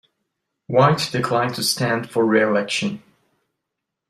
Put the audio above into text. White declined to stand for reelection.